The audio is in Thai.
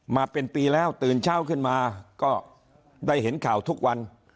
มาเป็นปีแล้วตื่นเช้าขึ้นมาก็ได้เห็นข่าวทุกวัน